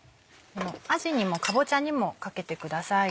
あじにもかぼちゃにもかけてください。